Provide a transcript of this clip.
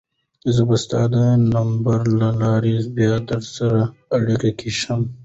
زه به ستا د نمبر له لارې بیا درسره په اړیکه کې شم.